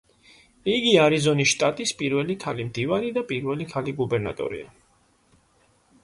იგი არიზონის შტატის პირველი ქალი მდივანი და პირველი ქალი გუბერნატორია.